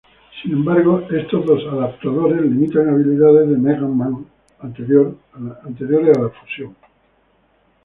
Sin embargo, estos dos adaptadores limitan habilidades de Mega Man anteriores a la fusión.